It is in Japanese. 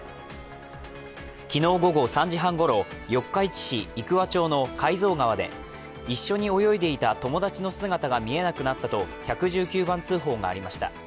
昨日午後３時半ごろ、四日市市生桑町の海蔵川で一緒に泳いでいた友達の姿が見えなくなったと１１９番通報がありました。